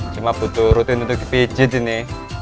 cuma butuh rutin untuk dipijit ini